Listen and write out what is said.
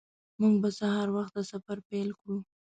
موږ به سهار وخته سفر پیل کړو